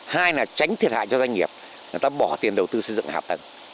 hay là tránh thiệt hại cho doanh nghiệp là ta bỏ tiền đầu tư xây dựng hạ tầng